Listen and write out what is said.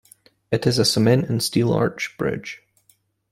It is a cement and steel arch bridge.